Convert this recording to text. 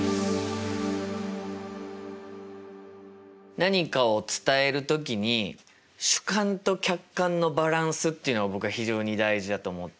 何かを伝える時に主観と客観のバランスっていうのが僕は非常に大事だと思ってて。